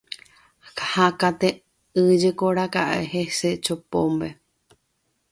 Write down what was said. Hakate'ỹjekoraka'e hese Chopombe.